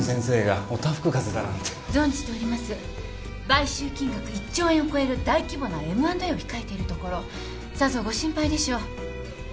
買収金額１兆円を超える大規模なＭ＆Ａを控えているところさぞご心配でしょう。